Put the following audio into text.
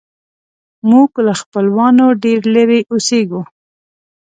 موږ له خپلوانو ډېر لیرې اوسیږو